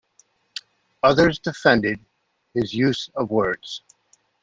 Others defended his use of words.